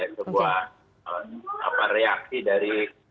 sebuah reaksi dari